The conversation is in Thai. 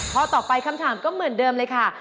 ข้อต่อไปคำถามก็เหมือนเดิมเลยค่ะ